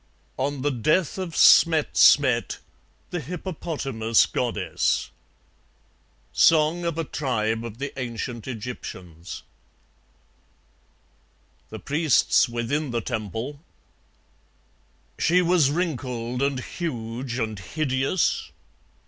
On the Death of Smet Smet, the Hippopotamus Goddess Song of a tribe of the ancient Egyptians (The Priests within the Temple) She was wrinkled and huge and hideous?